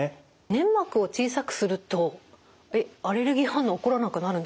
粘膜を小さくするとアレルギー反応起こらなくなるんですか？